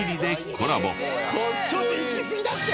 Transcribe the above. ちょっといきすぎだって！